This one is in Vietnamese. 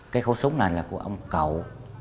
cái khẩu súng này là của ông cậu